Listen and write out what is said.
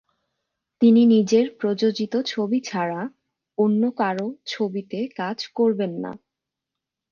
তিনি নিজের প্রযোজিত ছবি ছাড়া অন্য কারো ছবিতে কাজ করবেন না।